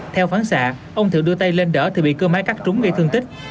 theo phán xạ ông thiệu đưa tay lên đỡ thì bị cưa máy cắt trúng gây thương tích